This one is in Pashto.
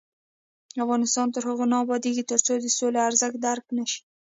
افغانستان تر هغو نه ابادیږي، ترڅو د سولې ارزښت درک نشي.